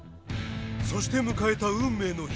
そして迎えた運命の日。